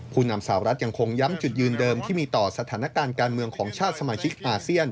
ผู้นำสาวรัฐยังคงย้ำจุดยืนเดิมที่มีต่อสถานการณ์การเมืองของชาติสมาชิกอาเซียน